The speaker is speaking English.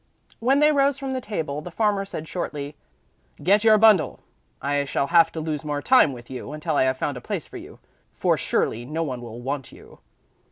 When they rose from the table, the farmer said shortly: "Get your bundle! I shall have to lose more time with you, until I have found a place for you, for surely no one will want you."